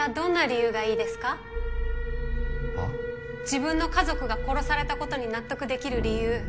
自分の家族が殺されたことに納得できる理由。